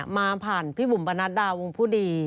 มาผ่านพี่บุ๋มปนัดดาวงผู้ดี